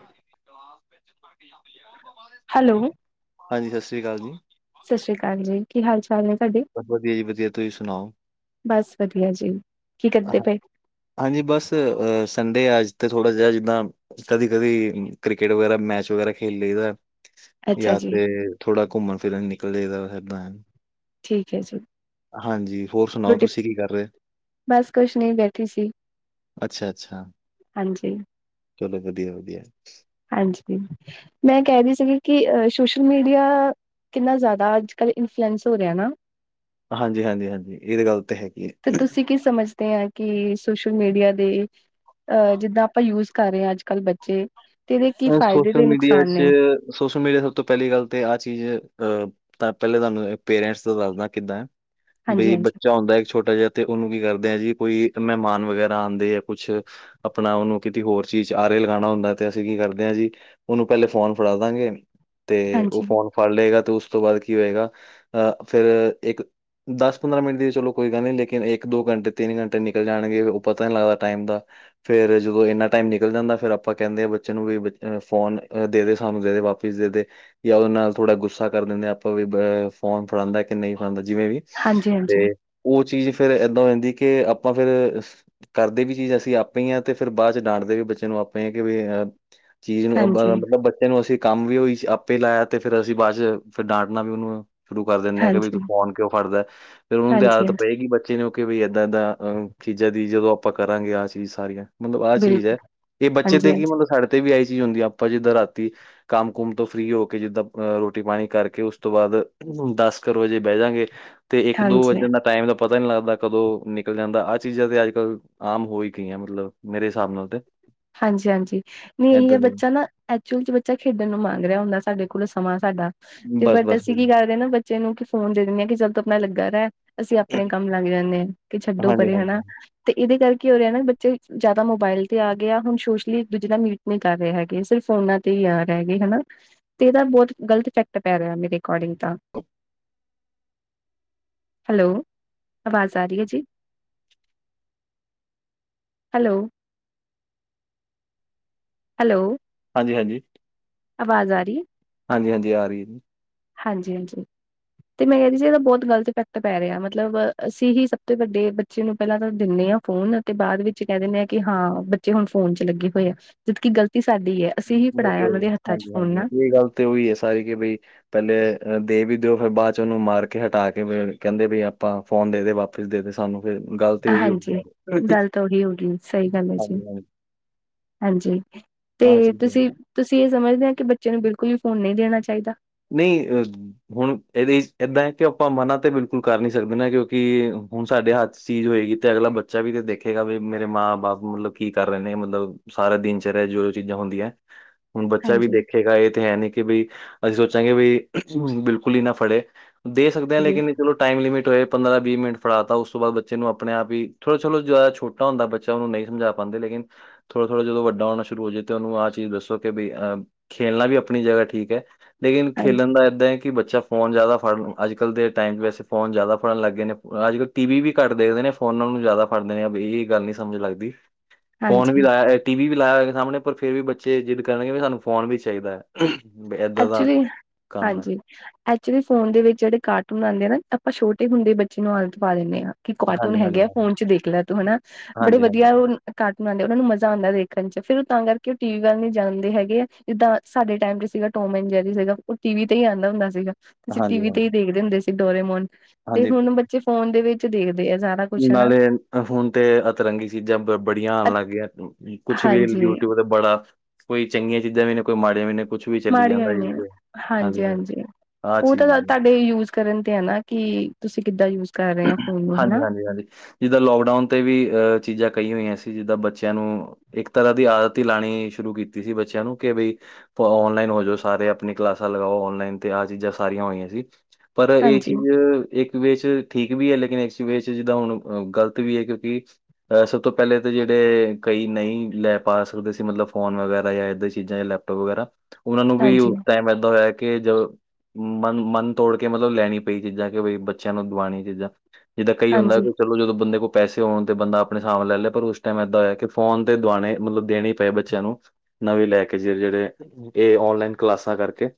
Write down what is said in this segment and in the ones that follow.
ਹਾਂਜੀ, ਹੈਲੋ, ਸਤਿ ਸ਼੍ਰੀ ਅਕਾਲ ਜੀ। ਸਤਿ ਸ੍ਰੀ ਅਕਾਲ ਜੀ। ਕੀ ਹਾਲ ਚਾਲ ਐ? ਸਾਡੇ, ਬਸ ਵਧੀਆ ਜੀ ਵਧੀਆ ਤੁਸੀਂ ਸੁਣਾਓ ਬਸ ਵਧੀਆ ਜੀ। ਕੀ ਕਰਦੇ ਹਾਂ- ਪਏ? ਹਾਂਜੀ ਬਸ ਅ ਸੰਡੇ ਅੱਜ ਤੇ ਥੋੜ੍ਹਾ ਜਿਹਾ ਜਿੱਦਾਂ ਕਦੀ-ਕਦੀ, ਕ੍ਰਿਕਟ ਵਗੈਰਾ, ਮੈਚ ਵਗੈਰਾ ਖੇਲ ਲਈਦਾ। ਅੱਛਾ ਜਾਂ ਜੀ, ਤੇ ਥੋੜਾ ਘੁੰਮਣ-ਫਿਰਨ ਨਿਕਲੀਦਾ ਏਦਾਂ ਠੀਕ ਐ ਜੀ। ਹਾਂਜੀ ਹੋਰ ਸੁਣਾਓ ਰੁਟੀ ਤੁਸੀਂ ਕੀ ਕਰ ਰਹੇ ਬਸ ਕੁਛ ਨੀਂ ਬੈਠੀ ਸੀ। ਅੱਛਾ ਅੱਛਾ, ਹਾਂਜੀ। ਚਲੋ ਵਧੀਆ ਵਧੀਆ। ਹਾਂਜੀ, ਮੈਂ ਕਹਿ ਰਹੀ ਸੀਗੀ ਕਿ ਅ ਸੋਸ਼ਲ ਮੀਡੀਆ ਕਿੰਨਾ ਜ਼ਿਆਦਾ ਅੱਜ ਕੱਲ੍ਹ ਇਨਫਲੂਐਂਸ ਹੋ ਰਿਹਾ ਨਾ। ਹਾਂਜੀ, ਹਾਂਜੀ, ਹਾਂਜੀ। ਇਹ ਤੇ ਗੱਲ ਤੇ ਹੈਗੀ ਤੇ ਐ। ਤੁਸੀਂ ਕੀ ਸਮਝਦੇ ਹਾਂ ਕਿ ਸੋਸ਼ਲ ਮੀਡੀਆ ਦੇ ਅ ਜਿੱਦਾਂ ਆਪਾਂ ਯੂਜ ਕਰ ਰਹੇ ਆਂ, ਅੱਜ-ਕੱਲ੍ਹ ਬੱਚੇ ਤੇ ਇਹਦੇ ਕੀ ਅ ਫਾਇਦੇ ਸੋਸ਼ਲ ਤੇ ਮੀਡੀਆ ਨੁਕਸਾਨ ਨੇ? ਚ ਸੋਸ਼ਲ ਮੀਡੀਆ ਸਭ ਤੋਂ ਪਹਿਲੀ ਗੱਲ ਤੇ ਆਹ ਚੀਜ਼ ਅਹ ਤਾਂ ਪਹਿਲੇ ਤੁਹਾਨੂੰ ਪੇਰੈਂਟਸ ਦਾ ਦੱਸਦਾ ਕਿੱਦਾਂ ਐ। ਬਈ ਹਾਂਜੀ-ਹਾਂਜੀ, ਬੱਚਾ ਹੁੰਦਾ ਇੱਕ ਛੋਟਾ ਜਿਹਾ ਤੇ ਉਹਨੂੰ ਕੀ ਕਰਦੇ ਆ ਜੀ, ਕੋਈ ਮਹਿਮਾਨ ਵਗੈਰਾ ਆਂਦੇ ਆ ਕੁਛ। ਆਪਣਾ ਉਹਨੂੰ ਕਿਤੇ ਹੋਰ ਚੀਜ਼ ਚ ਆਰੇ ਲਗਾਣਾ ਹੁੰਦਾ ਤੇ ਤੇ ਕੀ ਕਰਦੇ ਆਂ ਜੀ ਉਹਨੂੰ ਪਹਿਲੇ ਫੋਨ ਫੜਾ ਦਾਂਗੇ ਤੇ ਉਹ ਹਾਂਜੀ, ਫੋਨ ਫੜ ਲਏਗਾ ਤੇ ਉਸ ਤੋਂ ਬਾਅਦ ਕੀ ਹੋਏਗਾ? ਅਹ ਫੇਰ ਇੱਕ ਦਸ ਪੰਦਰਾਂ ਮਿੰਟ ਦੀ ਚਲੋ ਕੋਈ ਗੱਲ ਨਈਂ, ਲੇਕਿਨ ਇੱਕ ਦੋ ਘੰਟੇ, ਤਿੰਨ ਘੰਟੇ ਨਿਕਲ ਜਾਣਗੇ ਉਹ ਪਤਾ ਨਹੀਂ ਲੱਗਦਾ ਟਾਈਮ ਦਾ। ਫੇਰ ਜਦੋਂ ਇੰਨਾ ਟਾਈਮ ਨਿਕਲ ਜਾਂਦਾ ਫਿਰ ਆਪਾਂ ਕਹਿੰਦੇ ਆ ਬ ਚੇ ਨੂੰ ਵੀ ਬੱਚੇ ਫੋਨ ਆ ਦੇਦੇ ਸਾਨੂੰ ਦੇ ਦੇ ਵਾਪਿਸ ਦੇ ਦੇ। ਜਾਂ ਉਹਦੇ ਨਾਲ ਥੋੜਾ ਗੁੱਸਾ ਕਰ ਦਿੰਦੇ ਆਪਾਂ ਵੀ ਦੋਵੇਂ ਫੋਨ ਫੜਾਦਾ ਕਿ ਨਈਂ ਫੜਾਂਦਾ ਜਿਵੇਂ ਵੀ। ਹਾਂਜੀ ਤੇ ਹਾਂਜੀ। ਉਹ ਚੀਜ਼ ਫੇਰ ਏਦਾਂ ਹੋ ਜਾਂਦੀ ਅ ਕਿ ਆਪਾਂ ਫੇਰ। ਕਰਦੇ ਵੀ ਚੀਜ਼ ਅਸੀਂ ਆਪੇ ਹੀ ਆਂ ਤੇ ਫਿਰ ਬਾਅਦ ਚ ਡਾਂਟਦੇ ਵੀ ਬੱਚੇ ਨੂੰ ਆਪੇ ਈ ਕਿ ਵੀ ਚੀਜ਼ ਨੂੰ ਬ ਹਾਂਜੀ, ਮ ਮਤਲਬ ਬੱਚੇ ਨੂੰ ਅਸੀਂ ਕੰਮ ਵੀ ਉਹੀ ਆਪੇ ਲਾਇਆ ਤੇ ਫੇਰ ਅਸੀਂ ਬਾਅਦ ਚ ਫਿਰ ਡਾਂਟਣਾ ਵੀ ਉਹਨੂੰ ਸ਼ੁਰੂ ਕਰ ਦਿੰਣੇ ਆ ਕਿ ਵੀ ਹਾਂਜੀ, ਤੂੰ ਫੋਨ ਕਿਉਂ ਫੜਦਾ? ਫੇਰ ਉਹਨੂੰ ਦੀ ਆਦਤ ਹਾਂਜੀ-ਹਾਂਜੀ, ਪਏਗੀ ਬਚ ਬੱਚੇ ਨੂੰ ਕਿ ਵੀ ਇਦਾਂ ਏਦਾਂ ਅਹ ਖੀਜ਼ਾਂ ਦੀ ਜਦੋਂ ਆਪਾਂ ਕਰਾਂਗੇ, ਆਹ ਚੀਜ਼ ਸਾਰੀਆਂ। ਮਤਲਬ ਆਹ ਚੀਜ਼ ਬਿਲਕੁਲ, ਐ, ਇਹ ਬੱਚੇ ਤੇ ਕੀ ਹਾਂਜੀ-ਹਾਂਜੀ, ਮਤਲਬ ਸਾਡੇ ਤੇ ਵੀ ਆਹੀ ਚੀਜ਼ ਹੁੰਦੀ ਆ ਆਪਾਂ ਜਿੱਦਾਂ ਰਾਤੀ ਕੰਮ-ਕੁੰਮ ਤੋਂ ਫਰੀ ਹੋ ਕੇ ਜਿੱਦਾਂ ਰੋਟੀ-ਪਾਣੀ ਕਰਕੇ ਓਸ ਤੋਂ ਬਾਅਦ ਦਸ ਕਰ ਵਜੇ ਬੈਜਾਂਗੇ। ਤੇ ਹਾਂਜੀ। ਇੱਕ ਦੋ ਹਾਂਜੀ ਵੱਜਣ ਦਾ ਟਾਈਮ ਦਾ ਪਤਾ ਨਈਂ ਲੱਗਦਾ ਕਦੋਂ ਨਿਕਲ ਜਾਂਦਾ ਆਹ ਚੀਜ਼ਾਂ ਤੇ ਅੱਜ-ਕੱਲ੍ਹ ਆਮ ਹੋ ਹੀ ਗਈਆਂ ਮਤਲਬ, ਮੇਰੇ ਹਿਸਾਬ ਨਾਲ ਤੇ। ਹਾਂਜੀ ਹਾਂਜੀ। ਨਈਂ ਇਹੀ ਏ ਏਦਾਂ ਦੀ ਬੱਚਾ ਨਾਂ ਏ ਏਕਚੁਲ ਬੱਚਾ ਖੇਡਣ ਨੂੰ ਮੰਗ ਰਿਹਾ ਹੁੰਦਾ ਸਾਡੇ ਕੋਲ ਸਮਾਂ ਸਾਡਾ ਤੇ ਬਟ ਬਸ-ਬਸ ਅਸੀਂ ਕੀ ਹਾਂਜੀ, ਕਰਦੇ ਹਾਂ ਨਾ ਬੱਚੇ ਨੂੰ ਕੀ ਫੋਨ ਦੇ ਦਿੰਣੇ ਆ ਕਿ ਚਲ ਤੂੰ ਆਪਣਾ ਲੱਗਾ ਰਹਿ। ਅਸੀਂ ਆਪਣੇ ਕੰਮ ਲੱਗ ਜਾਂਣੇ ਕਿ ਛੱਡੋ ਹਾਂਜੀ, ਪਰੇ ਹਨਾਂ। ਹਾਂਜੀ, ਤੇ ਇਹਦੇ ਕਰਕੇ ਉਹ ਰਿਹਾ ਨਾ ਬੱਚੇ ਜਿਆਦਾ ਮੋਬਾਇਲ ਤੇ ਆ ਗੇ ਹੁਣ ਸੋਸ਼ਲੀ ਇੱਕ ਦੂਜੇ ਨਾਲ ਮੀਟ ਨੀਂ ਕਰ ਰਹੇ ਹੈਗੇ। ਸਿਰਫ ਫੋਨਾਂ ਤੇ ਹੀ ਆ ਰਹਿਗੇ ਹਨਾਂ। ਤੇ ਇਹਦਾ ਬਹੁਤ ਗ਼ਲਤ ਇਫੈਕਟ ਪੈ ਰਿਹਾ ਮੇਰੇ ਅਕੋਡਿੰਗ ਤਾਂ ਹੈਲੋ, ਆਵਾਜ਼ ਆ ਰਹੀ ਐ ਜੀ। ਹੈਲੋ। ਹੈਲੋ। ਹਾਂਜੀ ਹਾਂਜੀ। ਆਵਾਜ਼ ਆ ਰਹੀ? ਹਾਂਜੀ, ਹਾਂਜੀ ਆ ਰਹੀ ਏ ਜੀ। ਹਾਂਜੀ ਹਾਂਜੀ। ਤੇ ਮੈਂ ਕਹਿਦੀ ਸੀ ਇਹਦਾ ਬਹੁਤ ਗ਼ਲਤ ਇਫੈਕਟ ਪੈ ਰਿਹਾ ਮਤਲਬ ਅਸੀਂ ਹੀ ਸਭ ਤੋਂ ਵੱਡੇ ਬਚ ਬੱਚੇ ਨੂੰ ਪਹਿਲਾਂ ਤਾਂ ਦਿੰਣੇ ਆਂ ਫੋਨ ਤੇ ਬਾਅਦ ਵਿੱਚ ਕਹਿ ਦਿੰਦੇ ਆਂ ਕਿ ਹਾਂ ਬੱਚੇ ਹੁਣ ਫੋਨ ਚ ਲੱਗੇ ਹੋਏ ਆ। ਜਦਕਿ ਗਲਤੀ ਸਾਡੀ ਐ। ਉਹੀ ਉਹੀ, ਹਾਂਜੀ ਹਾਂਜੀ, ਇਹ ਗੱਲ ਤੇ ਉਹੀ ਹੈ ਸਾਰੀ ਕਿ ਬਈ ਪਹਿਲੇ ਦੇ ਵੀ ਦਿਓ ਫਿਰ ਬਾਅਦ 'ਚ ਉਹਨੂੰ ਮਾਰ ਕੇ ਹਟਾ ਕੇ ਕਹਿੰਦੇ ਵੀ ਆਪਾਂ ਫੋਨ ਦੇ ਦੇ ਵਾਪਸ। ਦੇ ਸਾਨੂੰ, ਫਿਰ ਗੱਲ ਤੇ ਉਹੀ ਹੋ ਹਾਂਜੀ ਹਾਂਜੀ ਗੱਲ ਤਾਂ ਉਹੀ ਹੋ ਗਈ ਸਹੀ ਗੱਲ ਹੈ ਜੀ ਹਾਂਜੀ ਹਾਂਜੀ, ਤੇ ਆਹ ਚੀਜ਼ ਹੈ। ਤੁਸੀਂ ਤੁਸੀਂ ਇਹ ਸਮਝਦੇ ਆ ਕਿ ਬੱਚੇ ਨੂੰ ਬਿਲਕੁਲ ਹੀ ਫੋਨ ਨਹੀਂ ਦੇਣਾ ਚਾਹੀਦਾ। ਨਹੀਂ ਅ। ਹੁਣ ਇਹਦੇ ਵਿੱਚ ਏਦਾਂ ਹੈ ਕਿ ਆਪਾਂ ਮਨਾ ਤੇ ਬਿਲਕੁਲ ਕਰ ਨੀ ਸਕਦੇ ਨਾ, ਕਿਉਂਕਿ ਹੁਣ ਸਾਡੇ ਹੱਥ ਚੀਜ਼ ਹੋਏਗੀ ਤੇ ਅਗਲਾ ਬੱਚਾ ਵੀ ਤੇ ਦੇਖੇਗਾ ਵੀ ਮੇਰੇ ਮਾਂ ਬਾਪ, ਮਤਲਬ ਕੀ ਕਰ ਰਹੇ ਨੇ ਮਤਲਬ ਸਾਰਾ ਦਿਨਚਰਿਆ ਜੋ ਚੀਜ਼ਾਂ ਹੁੰਦੀਆਂ, ਹੁਣ ਬੱਚਾ ਵੀ ਹਾਂਜੀ ਦੇਖੇਗਾ ਇਹ ਤੇ ਹੈ ਨ ਕਿ ਬਈ ਅਸੀਂ ਸੋਚਾਂਗੇ ਵੀ ਬਿਲਕੁਲ ਹੀ ਨਾ ਫੜੇ ਦੇ ਸਕਦੇ ਹਾਂ ਜੀ ਲੇਕਿਨ ਵੀ ਚਲੋ। ਟਾਈਮ ਲਿਮਿਟ ਹੋਏ ਪੰਦਰਾਂ ਵੀਹ ਮਿੰਟ ਫੜਾ ਤਾ, ਉਸ ਤੋਂ ਬਾਦ ਬੱਚੇ ਨੂੰ ਆਪਣੇ ਆਪ ਹੀ ਥੋੜਾ ਚਲੋੋ ਜ਼ਿਆਦਾ ਛੋਟਾ ਛੋਟਾ ਹੁੰਦਾ ਬੱਚਾ ਉਹਨੂੰ ਨਹੀਂ ਸਮਝਾ ਪਾਉਦੇ ਲੇਕਿਨ। ਥੋੜਾ ਥੋੜ੍ਹਾ ਜਦੋਂ ਵੱਡਾ ਹੋਣਾ ਸ਼ੁਰੂ ਹੋ ਜਾਏ ਤੇ ਉਹਨੂੰ ਚੀਜ਼ ਦੱਸੋ ਕਿ ਬਈ ਖੇਲਣਾ ਵੀ ਆਪਣੀ ਜ੍ਗਾ ਠੀਕ ਹੈ ਲੇਕਿਨ ਹਾਂਜੀ ਖੇਲਣ ਦਾ ਏਦਾਂ ਹੈ ਕਿ ਬੱਚਾ ਫੋਨ ਜ਼ਿਆਦਾ ਫੜ੍ਹਨ, ਅੱਜ ਕੱਲ੍ਹ ਦੇ ਟਾਈਮ ਵਿੱਚ ਫੋਨ ਜ਼ਿਆਦਾ ਫੜ੍ਹਨ ਲੱਗੇ ਗਏ ਨੇ ਅੱਜ ਕੱਲ੍ਹ ਟੀ ਵੀ ਘੱਟ ਦੇਖਦੇ ਨੇ ਫੋਨ ਨੂੰ ਜ਼ਿਆਦਾ ਫੜਦੇ ਨੇ, ਇਹ ਗੱਲ ਨਹੀਂ ਸਮਝ ਲੱਗਦੀ ਫੋਨ ਵੀ ਹਾਂਜੀ ਲਾਇਆ ਟੀ ਵੀ ਲਾਇਆ ਹੋਇਆ ਸਾਹਮਣੇ, ਪਰ ਫੇਰ ਵੀ ਬੱਚੇ ਜਿੱਦ ਕਰਨਗੇ ਸਾਨੂੰ ਫੋਨ ਵੀ ਚਾਹੀਦਾ ਹੈ। ਵੀ ਏਦਾਂ ਦਾ। ਐਕਚੁਲੀ ਕੰਮ ਹੈ। ਹਾਂਜੀ ਐਕਚੁਲੀ ਫੋਨ ਦੇ ਵਿੱਚ ਜਿਹੜੇ ਕਾਰਟੂਨ ਆਉਂਦੇ ਆ ਨਾ, ਆਪਾਂ ਛੋਟੇ ਹੁੰਦੇ ਬੱਚੇ ਨੂੰ ਆਦਤ ਪਾ ਦਿੰਦੇ ਹਾਂ ਕਿ ਕਾਰਟੂਨ ਹਾਂਜੀ, ਹੈਗੇ ਹਾਂਜੀ, ਆ ਫੋਨ ਚ ਦੇਖ ਲੈ ਤੂੰ ਹਨਾ, ਬੜੇ ਹਾਂਜੀ, ਹਾਂਜੀ, ਵਧੀਆ ਉਹ ਕਾਰਟੂਨ ਆਉਂਦੇ ਉਹਨਾ ਨੂੰ ਮਜ਼ਾ ਆਉਂਦਾ ਦੇਖਣ ਚ, ਫਿਰ ਉਹ ਤਾਂ ਕਰਕੇ ਉਹ ਟੀ ਵੀ ਵੱਲ ਨ ਜਾਂਦੇ ਹੈਗੇ ਆ ਜਿੱਦਾਂ ਸਾਡੇ ਟਾਈਮ ਤੇ ਸੀਗਾ ਟੋਮ ਐਂਡ ਜੈਰੀ ਜਿਹੜ ਸੀਗਾ, ਉਹ ਟੀਵੀ ਤੇ ਆਉਂਦਾ ਹੁੰਦਾ ਸੀਗਾ ਅਸੀ ਹਾਂਜੀ, ਟੀਵ ਤੇ ਹਾਂਜੀ, ਹੀ ਦੇਖਦੇ ਹੁੰਦੇ ਸੀ ਡੋਰੇਮੋਨ ਤੇ ਹਾਂਜੀ ਹੁਣ ਬੱਚੇ ਫੋਨ ਦੇ ਵਿੱਚ ਦੇਖਦੇ ਆ ਜ਼ਿਆਦਾ ਨਾਲੇ ਹੁਣ ਫੋਨ ਤੇ ਅਤਰੰਗੀ ਚੀਜ਼ਾਂ ਬ ਬੜੀਆਂ ਆਉਣ ਲੱਗ ਗਈਆ ਕੁਛ ਵੀ ਹਾਂਜੀ। ਯੂਟਿਊਬ ਤੇ ਬੜਾ ਕੋਈ ਚੰਗੀਆਂ ਚੀਜ਼ਾਂ ਵੀ ਨੇ ਕੋਈ ਮਾੜੀਆਂ ਵੀ ਨੇ ਕੁਛ ਵੀ ਚੱਲੀ ਮਾੜੀਆਂ ਜਾਂਦਾ ਵੀ ਨੇ, ਹਾਂਜੀ ਹਾਂਜੀ ਆਹ ਉਹ ਤਾਂ ਚੀਜ਼ ਹੈ। ਤੁਹਾਡੇ ਯੂਜ ਕਰਨ ਤੇ ਹੈ ਨਾ, ਕਿ ਤੁਸੀਂ ਕਿੱਦਾਂ ਯੂਜ ਕਰ ਰਹੇ ਹੋ ਫੋਨ ਨੂੰ ਹਾਂਜੀ, ਹਨਾ ਹਾਂਜੀ, ਹਾਂਜੀ ਜਿੱਦਾਂ ਲੋਕਡਾਊਨ ਤੇ ਵੀ ਅ ਚੀਜ਼ਾਂ ਕਹੀ ਹੋਈਆਂ ਸੀ ਜਿੱਦਾਂ ਬੱਚਿਆਂ ਨੂੰ ਇੱਕ ਤਰ੍ਹਾਂ ਦੀ ਆਦਤ ਲਾਉਣੀ ਸ਼ੁਰੂ ਕੀਤੀ ਸੀ ਬੱਚਿਆਂ ਨੂੰ ਕਿ ਬਈ ਔਨਲਾਈਨ ਹੋ ਜਾਓ ਸਾਰੇ ਆਪਣੀ ਕਲਾਸਾਂ ਲਗਾਓ ਔਨਲਾਈਨ, ਤੇ ਆਹ ਚੀਜ਼ਾਂ ਸਾਰੀਆਂ ਹੋਈਆਂ ਸੀ ਪਰ ਇਹ ਹਾਂਜੀ। ਚੀਜ਼ ਇੱਕ ਵਿੱਚ ਠੀਕ ਵੀ ਹੈ ਲੇਕਿਨ ਇੱਕ ਵੇ 'ਚ ਜਿੱਦਾਂ ਹੁਣ ਗਲਤ ਵੀ ਹੈ, ਕਿਉਂਕਿ ਸਭ ਤੋਂ ਪਹਿਲੇ ਤਾਂ ਜਿਹੜੇ ਕਈ ਨਹੀਂ ਲੈ ਪਾ ਸਕਦੇ ਸੀ ਮਤਲਬ, ਫੋਨ ਵਗੈਰਾ ਜਾਂ ਇੱਦਾਂ ਚੀਜ਼ਾਂ ਜਾਂ ਲੈ ਫੋਟੋ ਵਗੈਰਾ, ਉਹਨਾ ਨੂੰ ਵੀ ਹਾਂਜੀ, ਉਸ ਟਾਈਮ ਏਦਾਂ ਹੋਇਆ ਕਿ ਜਦੋਂ ਮਨ ਮਨ ਤੋੜ ਕੇ ਮਤਲਬ ਲੈਣੀ ਪਈ ਚੀਜ਼ਾਂ, ਕਿ ਬਈ ਬੱਚਿਆਂ ਨੂੰ ਦਵਾਉਣੀਆਂ ਚੀਜ਼ਾਂ ਜਿੱਦਾਂ ਕਈ ਹੁੰਦਾ ਹਾਂਜੀ, ਚਲੋ ਜਦੋਂ ਬੰਦੇ ਕੋਲ ਪੈਸੇ ਹੋਣ ਤੇ ਬੰਦਾ ਆਪਣੇ ਹਿਸਾਬ ਨਾਲ ਲੈ ਲਏ, ਪਰ ਉਸ ਟਾਈਮ ਏਦਾਂ ਹੋਇਆ ਕਿ ਫੋਨ ਤੇ ਦੀਵਾਣੇ ਮਤਲਬ ਦੇਣੇ ਏ ਬੱਚਿਆਂ ਨੂੰ, ਨਵੇੀਂ ਲੈ ਕੇ ਜ ਜਿਹੜੇ ਇਹ ਔਨਲਾਈਨ ਕਲਾਸਾਂ ਕਰਕੇ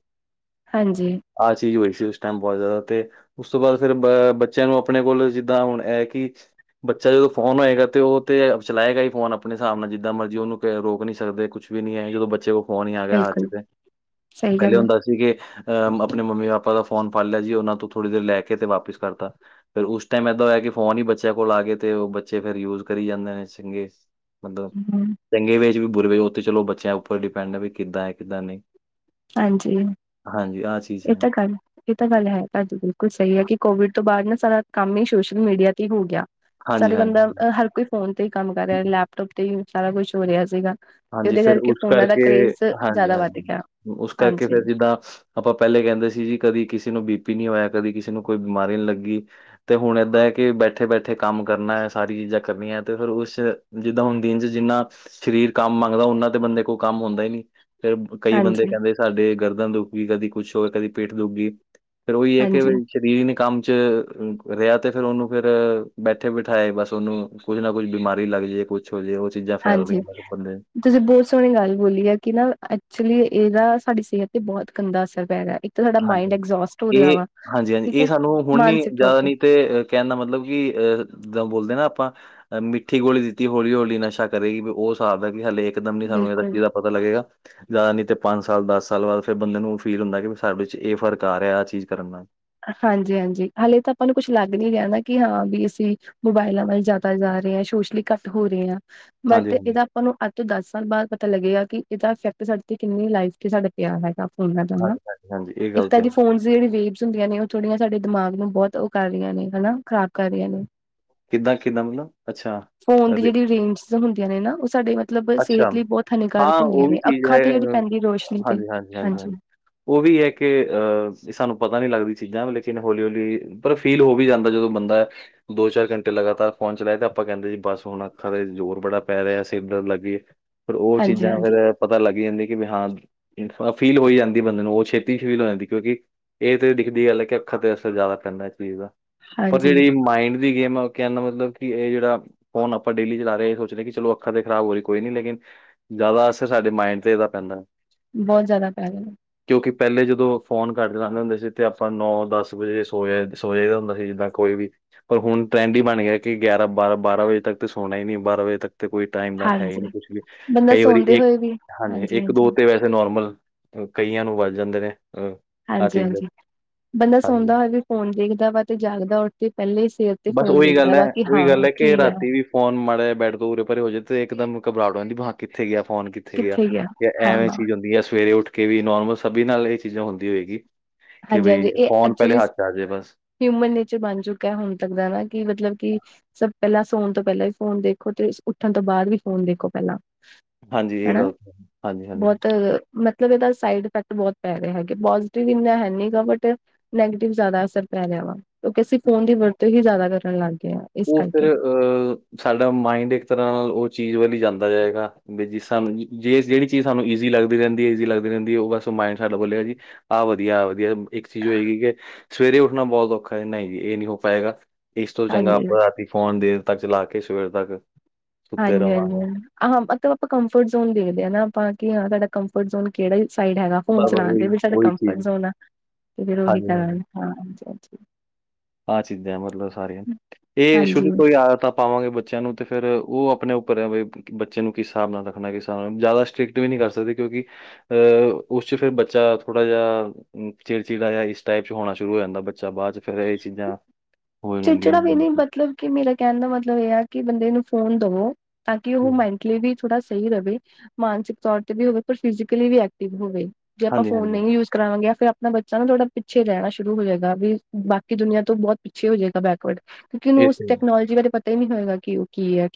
ਹਾਂਜੀ। ਆਹ ਚੀਜ਼ ਹੋਈ ਸੀ ਉਸ ਟਾਈਮ ਬਹੁਤ ਜ਼ਿਆਦਾ, ਤੇ ਉਸ ਤੋਂ ਬਾਅਦ ਫਿਰ ਬੱਚਿਆਂ ਨੂੰ ਆਪਣੇ ਕੋਲ ਜਿੱਦਾਂ ਹੁਣ ਇਹ ਕਿ ਬੱਚਾ ਜਦੋਂ ਫੋਨ ਹੋਏਗਾ ਤੇ ਉਹ ਤੇ ਚਲਾਏਗਾ ਹੀ ਫੋਨ ਆਪਣੇ ਹਿਸਾਬ ਨਾਲ ਜਿੱਦਾਂ ਮਰਜ਼ੀ ਉਹਨੂੰ ਰੋਕ ਨਹੀਂ ਸਕਦੇ ਕੁਛ। ਵੀ ਨਹੀਂ ਹੈ ਜਦੋਂ ਬੱਚੇ ਕੋਲ ਫੋਨ ਹੀ ਆ ਗਿਆ, ਅੱਜ ਬਿਲਕੁਲ ਤੇ ਸਹੀ ਪਹਿਲੇ ਗੱਲ ਹੈ, ਹੁੰਦਾ ਸੀ ਕਿ ਅਹ ਆਪਣੇ ਮੰਮੀ ਪਾਪਾ ਦਾ ਫੋਨ ਫੜ ਲਿਆ ਜੀ ਉਹਨਾਂ ਤੋਂ ਥੋੜ੍ਹੀ ਦੇਰ ਲੈ ਕੇ ਤੇ ਵਾਪਿਸ ਕਰਤਾ ਫਿਰ ਉਸ ਟਾਈਮ ਏਦਾਂ ਹੋਇਆ ਕਿ ਫੋਨ ਹੀ ਬੱਚਿਆਂ ਕੋਲ ਆ ਗਏ ਤੇ ਬੱਚੇ ਫੇਰ ਯੂਜ ਕਰੀ ਜਾਂਦੇ ਨੇ ਚ ਮਤਲਬ ਹੂੰ ਚੰਗੇ ਵੇ ਇਹ 'ਚ ਬੁਰੇ ਹੋ ਤੇ ਚਲੋ ਬੱਚਿਆਂ ਉੱਪਰ ਡਿਪੈਂਡ ਹੈ ਵੀ ਕਿੱਦਾਂ ਹੈ ਕਿੱਦਾਂ ਨਹੀਂ। ਹਾਂਜੀ, ਹਾਂਜੀ ਆਹ ਚੀਜ਼ ਇਹ ਹੈ ਤਾਂ ਗੱਲ ਇਹ ਤਾਂ ਗੱਲ ਹੈ ਭਾਜੀ, ਬਿਲਕੁਲ ਸਹੀ ਹੈ ਕਿ ਕੋਵਿਡ ਤੋਂ ਬਾਅਦ ਨਾ ਸਾਰਾ ਕੰਮ ਹੀ ਸੋਸ਼ਲ ਮੀਡੀਆ ਤੇ ਹੀ ਹੋ ਗਿਆ ਸਾਰੇ ਬੰਦਾ ਹਾਂਜੀ-ਹਾਂਜੀ। ਹਰ ਕੋਈ ਫੋਨ ਤੇ ਹੀ ਕੰਮ ਕਰ ਰਿਹਾ ਲੈਪਟੋਪ ਤੇ ਹੀ ਸਾਰਾ ਕੁਛ ਹੋ ਰਿਹਾ ਸੀਗਾ। ਤੇ ਹਾਂਜੀ, ਉਹਦੇ ਫਿਰ ਕਰਕੇ ਉਸ ਫੋਨਾਂ ਦਾ ਕਰੇਜ਼ ਜ਼ਿਆਦਾ ਵੱਧ ਹਾਂਜੀ-ਹਾਂਜੀ, ਗਿਆ ਹੈ। ਉਸ ਕਰਕੇ ਫੇਰ ਜਿੱਦਾਂ। ਆਪਾਂ ਪਹਿਲੇ ਕਹਿੰਦੇ ਸੀ ਜੀ ਕਦੀ ਕਿਸੇ ਨੂੰ ਬੀ ਪੀ ਨਹੀਂ ਹੋਇਆ ਕਦੀ ਕਿਸੇ ਨੂੰ ਕੋਈ ਬਿਮਾਰੀ ਨਹੀਂ ਲੱਗੀ। ਤੇ ਹੁਣ ਇਦਾਂ ਹੈ ਕਿ ਬੈਠੇ- ਬੈਠੇ ਕੰਮ ਕਰਨਾ ਹੈ ਸਾਰੀ ਚੀਜ਼ਾਂ ਕਰਨੀਆਂ ਤੇ ਫਿਰ ਉਸ ਜਿੱਦਾਂ ਹੁਣ ਦਿਨ ਚ ਜਿੰਨਾ ਸਰੀਰ ਕੰਮ ਮੰਗਦਾ ਉਹਨਾਂ ਤੇ ਬੰਦੇ ਕੋਲ ਕੰਮ ਹੁੰਦਾ ਹੀ ਨੀ ਫੇਰ ਕਈ ਬੰਦੇ ਹਾਂਜੀ, ਕਹਿੰਦੇ ਸਾਡੇ ਗਰਦਨ ਦੁਖ ਗਈ ਕਦੀ ਕੁਛ ਹੋ ਗਿਆ ਕਦੀ ਪੇਟ ਦੁਖ ਗਈ ਫੇਰ ਉਹੀ ਹੈ ਕਿ। ਹਾਂਜੀ। ਸਰੀਰ ਨੀ ਕੰਮ 'ਚ ਰਿਹਾ ਤੇ ਫੇਰ ਉਹਨੂੰ ਫੇਰ ਬੈਠੇ ਬਿਠਾਏ ਬਸ ਉਹਨੂੰ। ਕੁਛ ਨਾ ਕੁੱਛ ਬਿਮਾਰੀ ਲਗ ਜਾਏ ਕੁਛ ਹੋਜੇ ਉਹ ਚੀਜ਼ਾਂ ਫੈਲ ਹਾਂਜੀ। ਰਹੀਆਂ ਨੇ ਬੰਦੇ ਤੁਸੀਂ ਬਹੁਤ ਸੋਹਣੀ ਗੱਲ ਬੋਲੀ ਹੈ ਕਿ ਨਾ ਐਕਚੁਲੀ ਇਹਦਾ ਸਾਡੀ ਸਿਹਤ ਤੇ ਬਹੁਤ ਗੰਦਾ ਅਸਰ ਪੈ ਰਿਹਾ। ਤਾਂ ਸਾਡਾ ਮਾਇੰਡ ਹਾਂਜੀ, ਐਗਜੋਸਟ ਹੋ ਰਿਹਾ ਏ ਵਾ ਹਾਂਜੀ-ਹਾਂਜੀ ਠੀਕ ਏ ਹੈ ਸਾਨੂੰ ਹੁਣ ਨੀ ਮਾਨਸਿਕ ਤੌਰ ਜ਼ਿਆਦਾ ਨੀ ਤੇ ਕਹਿਣ ਦਾ ਮਤਲਬ ਕਿ ਅਹ ਜਦੋਂ ਬੋਲਦੇ ਨਾ ਆਪਾਂ ਅ ਮਿੱਠੀ ਗੋਲੀ ਦਿੱਤੀ ਹੌਲੀ- ਹੌਲੀ ਨਸ਼ਾ ਕਰੇਗੀ ਉਹ ਸਾਬ ਹਲੇ। ਦਮ ਨੀ ਸਾਨੂੰ ਇਹਦਾ ਬਿਲਕੁਲ ਚੀਜ਼ ਦਾ ਪਤਾ ਲਗੇਗਾ, ਜ਼ਿਆਦਾ ਨੀ ਤੇ ਪੰਜ ਸਾਲ-ਦਸ ਸਾਲ ਬਾਅਦ ਫਿਰ ਬੰਦੇ ਨੂੰ ਫੀਲ ਹੁੰਦੈ ਕਿ ਬੀ ਸਾਡੇ ਚ ਇਹ ਫ਼ਰਕ ਆ ਰਿਹਾ ਆਹ ਚੀਜ਼ ਕਰਨ ਨਾਲ ਹਾਂਜੀ-ਹਾਂਜੀ ਹਾਲੇ ਤਾਂ ਆਪਾਂ ਨੂੰ ਕੁਸ਼ ਲੱਗ ਨੀ ਰਿਆ ਨਾ ਕਿ ਹਾਂ ਵੀ ਅਸੀਂ ਮੋਬਾਇਲਾਂ ਵੱਲ ਜਾਦਾ ਜਾ ਰਹੇ ਐ ਸੋਸ਼ਲੀ ਘੱਟ ਹੋ ਰਹੇ ਆ, ਹਾਂਜੀ, ਬਟ ਹਾਂਜੀ, ਇਹਦਾ ਤੁਹਾਨੂੰ ਅੱਜ ਤੋਂ ਦਸ ਸਾਲ ਬਾਅਦ ਪਤਾ ਲੱਗੇਗਾ ਕਿ ਇਹਦਾ ਇਫੈਕਟ ਸਾਡੇ ਤੇ ਕਿੰਨੀ ਲਾਈਫ ਤੇ ਸਾਡਾ ਪਿਆ ਹੈਗਾ। ਹਾਂਜੀ, ਹਾਂਜੀ, ਹਾਂਜੀ ਇਹ ਗੱਲ ਤੇ ਹੈ। [unintelligible] ਹੁੰਦੀਆਂ ਨੇ ਉਹ ਥੋੜੀਆਂ ਸਾਡੇ ਦਿਮਾਗ ਨੂੰ ਬਹੁਤ ਉਹ ਕਰ ਰੀਆ ਨੇ ਹਨਾ ਖ਼ਰਾਬ ਕਰ ਰੀਆ ਨੇ। ਕਿੱਦਾਂ -ਕਿੱਦਾਂ ਮਤਲਬ ਅੱਛਾ ਫੋਨ ਦੀ ਅਰੇ ਜਿਹੜੀ ਰੇਂਜ ਹੁੰਦੀਆਂ ਨੇ ਨਾ ਉਹ ਸਾਡੇ ਮਤਲਬ ਅੱਛਾ, ਸਿਹਤ ਲਈ ਬਹੁਤ ਹਾਂ ਹਾਨੀਕਾਰਕ ਉਹ ਹੁੰਦੀਆਂ ਵੀ ਨੇ। ਚੀਜ਼ ਅੱਖਾਂ ਹੈ ਤੇ ਜਿਹੜੀ ਅ ਪੈਂਦੀ ਰੋਸ਼ਨੀ ਤੇ ਹਾਂਜੀ ਉਹ ਵੀ ਹੈ ਕਿ ਅਹ ਸਾਨੂੰ ਪਤਾ ਨਹੀਂ ਲੱਗਦੀ ਚੀਜ਼ਾਂ ਲੇਕਿਨ ਹੌਲੀ-ਹੌਲੀ ਪਰ ਫੀਲ ਹੋ ਵੀ ਜਾਂਦਾ, ਜਦੋਂ ਬੰਦਾ ਦੋ ਚਾਰ ਘੰਟੇ ਲਗਾਤਾਰ ਫੋਨ ਚਲਾਏ ਤੇ ਆਪਾਂ ਕਹਿੰਦੇ ਜੀ ਬਸ ਹੁਣ ਅਖਾ ਤੇ ਜ਼ੋਰ ਬੜਾ ਪੈ ਰਿਹਾ ਸਿਰ ਦਰਦ ਲਗ ਗਈ ਫਿਰ ਉਹ ਚੀਜ਼ਾਂ ਹਾਂਜੀ-ਹਾਂਜੀ-ਹਾਂਜੀ-ਹਾਂਜੀ ਫੇਰ ਪਤਾ ਲੱਗ ਜਾਂਦੀਆਂ ਕਿ ਵੀ ਹਾਂ ਫੀਲ ਹੋਈ ਜਾਂਦੀ ਬੰਦੇ ਨੂੰ ਉਹ ਛੇਤੀ ਚ ਫੀਲ ਹੋ ਜਾਂਦੀ ਕਿਉਂਕਿ ਇਹ ਤੇ ਦਿਖਦੀ ਗੱਲ ਹੈ ਕਿ ਅੱਖਰਾਂ ਤੇ ਅਸਰ ਜ਼ਿਆਦਾ ਪੈਂਦਾ ਇਸ ਚੀਜ਼ ਦਾ ਪਰ ਜਿਹੜੀ ਮਾਇੰਡ ਦੀ ਗੇਮ ਹੈ ਕਹਨ ਦਾ ਮਤਲਬ ਕਿ ਇਹ ਜਿਹੜਾ ਫੋਨ ਆਪਾਂ ਡੇਲੀ ਚਲਾ ਰਹੇ ਹਾ ਇਹ ਸੋਚ ਰਹੇ ਕਿ ਚਲੋ ਅੱਖਾ ਤੇ ਖ਼ਰਾਬ ਹੋ ਰਹੀ ਕੋਈ ਲੇਕਿਨ ਜ਼ਿਆਦਾ ਅਸਰ ਸਾਡੇ ਮਾਇੰਡ ਤੇ ਇਹਦਾ ਪੈਂਦਾ। ਬਹੁਤ ਜ਼ਿਆਦਾ ਪੈਗ ਨੇ ਕਿਉਂਕਿ ਪਹਿਲੇ ਜਦੋਂ ਫੋਨ ਘੱਟ ਲਉਦੇ ਹੁੰਦੇ ਸੀ ਤੇ ਆਪਾਂ ਨੌ ਦਸ ਵਜੇ ਸੋ ਜਾ ਸੋ ਜਾਦਾ ਹੁੰਦਾ ਸੀ। ਜਿੱਦਾਂ ਕੋਈ ਵੀ ਪਰ ਹੁਣ ਟਰੈਂਡ ਹੀ ਬਣ ਗਿਆ ਕਿ ਗਿਆਰਾਂ ਬਾਰਾਂ- ਬਾਰਾਂ ਵਜੇ ਤੱਕ ਤੇ ਸੋਣਾ ਹੀ ਨਹੀਂ ਬਾਰਾਂ ਵਜੇ ਤੱਕ ਤੇ ਕੋਈ ਟਾਈਮ ਦਾ ਹੈ ਹੀ ਹਾਂਜੀ ਨਹੀਂ ਕੁਛ ਲਈ ਬੰਦਾ ਕਈ ਵਾਰੀ ਸੌਦੇ ਇੱਕ ਹੋਏ ਵੀ ਹਾਂਜੀ ਇੱਕ ਦੋ ਤੇ ਵੈਸੇ ਤੇ ਨੋਰਮਲ ਕਈਆਂ ਨੂੰ ਵਜ ਜਾਂਦੇ ਨੇ ਅਹ ਹਾਂਜੀ -ਹਾਂਜੀ ਬੰਦਾ ਸੋਨਾਦਾ ਹੋਏ ਵੀ ਫੋਨ ਦੇਖਦਾ ਵਾ ਤੇ ਜਾਗਦਾ ਉ ਤੇ ਪਹਿਲੇ ਹੀ ਸਿਰ ਤੇ ਬਸ ਫੋਨ ਉਹੀ ਦੇਖਦਾ ਗੱਲ ਹੈ, ਵਾ ਕਿ ਉਹੀ ਹਾਂ ਗੱਲ ਹੈ, ਕਿ ਕੀ ਆ ਰਾਤੀ ਵੀ ਫੋਨ ਮਾੜਾ ਜਿਹਾ ਬੈਡ ਤੋਂ ਉੂਰੇ ਪਰੇ ਹੋ ਜਾਏ ਤੇ ਇੱਕਦਮ ਘਬਰਾਹਟ ਹੋ ਜਾਂਦੀ ਕਿੱਥੇ ਗਿਆ ਫੋਨ ਕਿ ਆ ਕਿੱਥੇ ਗਿਆ ਜਾਂ ਹਾਂ ਐਵੇਂ ਚੀਜ਼ ਹੁੰਦੀ ਆ ਸਵੇਰੇ ਉੱਠ ਕੇ ਵੀ ਨੋਰਮਲ ਸਭੀ ਨਾਲ ਇਹ ਚੀਜ਼ਾਂ ਹੁੰਦੀ ਹੋਏਗੀ। ਕਿ ਹਾਂਜੀ ਬਈ, ਹਾਂਜੀ ਇਹ ਫੋਨ ਪਹਿਲੇ ਐਕਚੁਲੀ ਹੱਥ ਚ ਆ ਜੇ ਬਸ। ਹਿਊਮਨ ਨੇਚਰ ਬਣ ਚੁੱਕੈ ਹੁਣ ਤੱਕ ਦਾ ਹਨਾ ਕਿ ਮਤਲਬ ਕਿ, ਸਭ ਪਹਿਲਾਂ ਸੋਣ ਤੋਂ ਪਹਿਲਾਂ ਵੀ ਫੋਨ ਦੇਖੋ ਤੇ ਉੱਠਣ ਤੋਂ ਬਾਅਦ ਵੀ ਫੋਨ ਦੇਖੋ ਪਹਿਲਾਂ ਹਾਂਜੀ ਇਹ ਹਨਾ ਗੱਲ, ਹਾਂਜੀ-ਹਾਂਜੀ। ਬਹੁਤ ਮਤਲਬ ਇਹਦਾ ਸਾਈਡ ਇਫੈਕਟ ਬਹੁਤ ਪੈ ਰਿਹਾ ਹੈਗੇ ਪੋਜ਼ਟਿਵ ਇੰਨਾ ਹੈ ਨੀਗਾ ਬਟ ਨੈਗੇਟਿਵ ਜ਼ਿਆਦਾ ਅਸਰ ਪੈ ਰਿਹਾ ਵਾ ਕਿਉਂਕਿ ਅਸੀਂ ਫੋਨ ਦੀ ਵਰਤੋਂ ਹੀ ਜ਼ਿਆਦਾ ਕਰਨ ਲੱਗ ਗਏ ਹਾਂ। ਇਸ ਉਹ ਫਿਰ ਕਰਕੇ ਔਹ ਸਾਡਾ ਮਾਇੰਡ ਇੱਕ ਤਰ੍ਹਾਂ ਨਾਲ ਉਹ ਚੀਜ਼ ਵਲ ਈ ਜਾਂਦਾ ਜਾਏਗਾ। ਬਈ ਜੀ ਸਾਨੁ ਜੇ ਜਿਹੜ ਚੀਜ਼ ਸਾਨੂੰ ਇਜ਼ੀ ਲੱਗ ਰਹਿੰਦੀ ਹੈ ਇਜੀ ਲੱਗਦੀ ਰਹਿ ਨਦੀ ਐ ਉਹ ਬਸ ਮਾਇੰਡ ਸਾਡਾ ਬੋਲਿਆ ਜੀ ਆਹ ਵਧੀਆ ਆ ਵਧੀਆ ਇੱਕ ਚੀਜ਼ ਹੋਏਗੀ ਕਿ ਸਵੇਰੇ ਉੱਠਣਾ ਬਹੁਤ ਔਖਾ ਹੈ ਨਹੀਂ ਜੀ ਇਹ ਨ ਹੋ ਪਾਏਗਾ ਇਸ ਤੋਂ ਚੰਗਾ ਹਾਂਜੀ ਆਪਾਂ ਰਾਤੀ ਫੋਨ ਦੇਰ ਤੱਕ ਚਲਾ ਕੇ ਸਵੇਰ ਤੱਕ ਸੁੱਤੇ ਹਾਂਜੀ- ਰਵਾਂਗੇ, ਹਾਂਜੀ ਹਾਂ ਆਹਾਂ ਮਤਬ ਅਪਾਂ ਕੰਫਰਟ ਜ਼ੋਨ ਦੇਖਦੇ ਆਂ ਨਾ ਆਪਾਂ ਕਿ ਹਾਂ ਸਾਡਾ ਕੰਫਰਟ ਜ਼ੋਨ ਕਿਹੜੇ ਸਾਈਡ ਹੈਗਾ। ਫੋਨ ਬਸ-ਬਸ ਚਲਾਉਣ ਦੇ ਉਹੀ, ਵੀ ਸਾਡੇ ਉਹੀ ਕੰਫਰਟ ਚੀਜ਼, ਜ਼ੋਨ ਆ ਤੇ ਫਿਰ ਉਹੀ ਹਾਂਜੀ-ਹਾਂਜੀ। ਕਰਾਂਗੇ ਹ ਆਹ ਚੀਜ਼ਾਂ ਮਤਲਬ ਸਾਰੀਆਂ, ਇਹ ਹਾਂਜੀ ਸ਼ੁਰੂ ਕੋਈ ਆਦਤ ਤਾਂ ਪਾਵਾਂਗੇ ਬੱਚਿਆਂ ਨੂੰ ਤੇ ਫਿਰ ਉਹ ਆਪਣੇ ਉੱਪਰ ਐ ਬਈ ਬੱਚੇ ਨੂੰ ਕਿਸ ਸਾਬ ਨਾਲ ਰੱਖਣੈ ਕਿਸ ਸਾਬ ਨਾਲ ਜ਼ਿਆਦਾ ਸਟ੍ਰਿਕਟ ਵੀ ਨੀ ਕਰ ਸਕਦੇ ਕਿਉਂਕਿ ਅਹ ਉਸ ਚ ਫਿਰ ਬੱਚਾ ਥੋੜ੍ਹਾ ਜਿਹਾ ਚਿੜਚਿੜਾ ਜਿਹਾ ਇਸ ਟਾਈਪ ਚ ਹੋਣਾ ਸ਼ੁਰੂ ਹੋ ਜਾਂਦਾ ਬੱਚਾ ਬਾਅਦ ਚ ਫੇਰ ਇਹ ਚੀਜ਼ਾਂ ਚਿੜਚਿੜਾ ਵੀ ਨਹੀਂ ਮਤਲਬ ਕਿ ਮੇਰਾ ਕਹਿਣ ਦਾ ਮਤਲਬ ਇਹ ਆ ਕਿ ਬੰਦੇ ਨੂੰ ਫੋਨ ਦਵੋ ਤਾਂ ਕਿ ਉਹ ਹੂੰ। ਮ ਵੀ ਥੋੜਾ ਸਹੀ ਰਹੇ, ਮਾਨਸਿਕ ਤੌਰ ਤੇ ਵੀ ਹੋਵੇ ਪਰ ਫਿਜ਼ਕਲੀ ਵੀ ਐਕਟਿਵ ਹੋਵੇ ਜੇ ਆਪਾਂ ਹਾਂਜੀ ਫੋਨ ਹਾਂਜੀ ਨਹੀਂ ਯੂਜ ਕਰਾਵਾਂਗੇ ਫ਼ਿਰ ਆਪਣਾ ਬੱਚਾ ਨਾ ਥੋੜਾ ਪਿੱਛੇ ਰਹਿਣਾ ਸ਼ੁਰੂ ਹੋ ਜਾਏਗਾ ਵੀ, ਬਾਕੀ ਦੁਨੀਆਂ ਤੋਂ ਬਹੁਤ ਛੇ ਹੋ ਜੇਗਾ ਬੈਕਵਰਡ, ਕਿ ਉਹਨੂੰ ਇਹ ਉਸ ਤੇ ਹੈ। ਟੈਕਨੋਲੋਜੀ ਬਾਰੇ ਪਤਾ ਈ ਨੀ ਹੋਏਗਾ ਕਿ ਉਹ ਕੀ ਐ।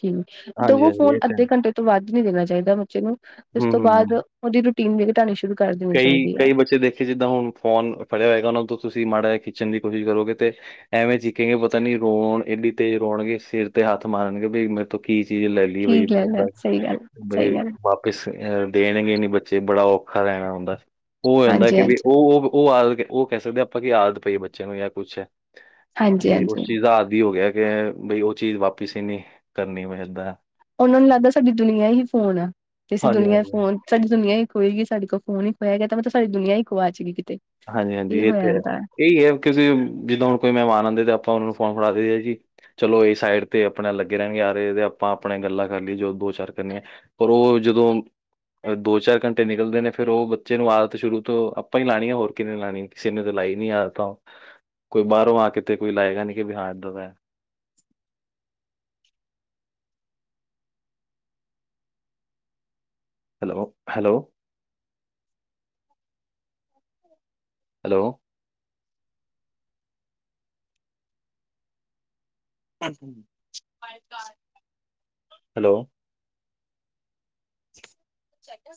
ਹਾਂਜੀ ਦਵੋ ਹਾਂਜੀ ਫੋਨ ਇਹ ਤੇ ਹੈ। ਅੱਧੇ ਘੰਟੇ ਤੋਂ ਵੱਧ ਨੀ ਦੇਣਾ ਚਾਹੀਦਾ ਬੱਚੇ ਨੂੰ ਇਸ ਹੂੰ ਤੋਂ ਹੂੰ ਹੂੰ ਬਾਅਦ ਉਹਦੀ ਟੀਮ ਵੀ ਘਟਾਉਣੀ ਸ਼ੁਰੂ ਕਰ ਦੇਨੀ ਚਾਹੀਦੀ ਆ ਕਿ ਜਿੱਦਾਂ ਹੁਣ ਫੋਨ ਫੜਿਆ ਹੋਏਗਾ, ਉਹਨਾਂ ਤੋਂ ਤੁਸੀਂ ਮਾੜਾ ਖਿੱਚਣ ਦੀ ਕੋਸ਼ਿਸ਼ ਕਰੋਗੇ ਤੇ ਐਵੇਂ ਚਿੱਖੇਗੇ ਪਤਾ ਨੀ ਰੋਣ ਏਨੀ ਤੇਜ਼ ਰੋਣਗੇ ਸਿਰ ਤੇ ਹੱਥ ਮਾਰਨਗੇ ਬਈ ਕੀ ਚੀਜ਼ ਲੈ ਲਈ ਠੀਕ ਗੱਲ ਹੈ ਸਹੀ ਗੱਲ ਸਹੀ ਬਈ ਗੱਲ ਬਾਪ ਦੇਣਗੇ ਨੀ ਬੱਚੇ ਬੜਾ ਔਖਾ ਰਹਿਣਾ ਹੁੰਦਾ ਉਹ ਹੋ ਜਾਂਦਾ ਹਾਂਜੀ ਹਾਂਜੀ ਕਿ ਵੀ ਉਹ ਉਹ ਉਹ ਆਦਤ ਉਹ ਕਹਿ ਸਕਦੇ ਆਪਾਂ ਕੀ ਆਦਤ ਪਈਏ ਬੱਚੇ ਨੂੰ ਜਾਂ ਕੁਛ ਹਾਂਜੀ ਤੇ ਹਾਂਜੀ ਉਸ ਚੀਜ਼ ਦਾ ਆਦਿ ਹੋ ਗਿਆ ਬਈ ਉਹ ਚੀਜ਼ ਵਾਪਿਸ ਹੀ ਨੀ ਕਰਨੀ ਮੈਂ ਏਦਾਂ ਉਹਨਾਂ ਨੂੰ ਲੱਗਦਾ ਸਾਡੀ ਦੁਨੀਆਂ ਹੀ ਫੋਨ ਆ, ਤੇ ਅਸੀਂ ਦੁਨੀਆਂ ਹਾਂਜੀ-ਹਾਂਜੀ। ਫੋਨ ਸਾਡੀ ਦੁਨੀਆਂ ਇੱਕ ਹੋੲਗੀ ਸਾਡੇ ਕੋਲ ਫੋਨ ਹੀ ਇੱਕ ਹੋਇਆ ਗਿਆ ਤਾਂ ਮਤਲਬ ਸਾਡੀ ਦੁਨੀਆਂ ਇੱਕੋ ਆ ਗੁਆਚਗੀ ਕਿਤੇ ਹਾਂਜੀ -ਹਾਂਜੀ ਇਹ ਹੋ ਤੇ ਹੈ, ਜਾਂਦਾ। ਇਹੀ ਹੈ ਕਿਸੀਂ ਜਿੱਦੋਂ ਹੁਣ ਕੋਈ ਮਹਿਮਾਨ ਆਂਦੇ ਤੇ ਆਪਾਂ ਉਹਨਾਂ ਨੂੰ ਫੋਨ ਫੜਾ ਦੇਦੇ ਹ ਜੀ ਚਲੋ ਇਹ ਸਾਈਡ ਤੇ ਆਪਣੇ ਲੱਗੇ ਰਹਿਣਗੇ ਆਰੇ ਆਪਾਂ ਆਪਣੇ ਗੱਲਾਂ ਕਰ ਲਈਏ ਜੋ ਦੋ-ਚਾਰ ਕਰਨੀਆਂ ਪਰ ਉਹ ਜਦੋਂ ਦੋ-ਚਾਰ ਘੰਟੇ ਨਿਕਲਦੇ ਨੇ ਫੇਰ ਓ ਬੱਚੇ ਨੂੰ ਆਦਤ ਸ਼ੁਰੂ ਤੋਂ ਆਪਾਂ ਈ ਲਾਣੀ ਆ ਹੋਰ ਕਿਨੇ ਲਾਣੀ, ਕਿਸੇ ਨੇ ਤਾਂ ਲਾਈ ਨੀ ਆ ਤਾਂ ਕੋਈ ਬਾਹਰੋਂ ਆ ਕੇ ਤੇ ਕੋਈ ਲਾਏਗਾ ਨੀ ਕਿ ਵੀ ਹਾਂ ਇਦਾਂ ਵੈ ਹੈਲੋ-ਹੈਲੋ। ਹੈਲੋ। ਹੈਲੋ। [unintelligible]